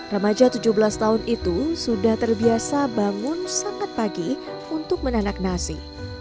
remaja tujuh belas tahun itu sudah terbiasa bangun sangat pagi untuk menanak nasi